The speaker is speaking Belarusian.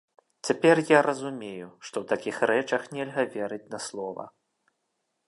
Цяпер я разумею, што ў такіх рэчах нельга верыць на слова.